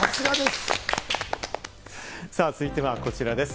続いてはこちらです。